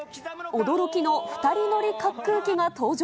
驚きの２人乗り滑空機が登場。